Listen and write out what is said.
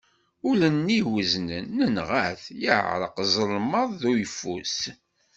Ul-nni iweznen nenγa-t, yeԑreq ẓelmeḍ d uyeffus.